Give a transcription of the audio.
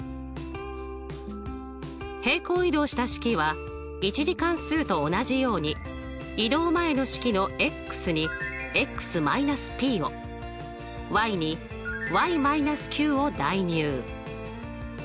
平行移動した式は１次関数と同じように移動前の式のに−ｐをに−ｑを代入。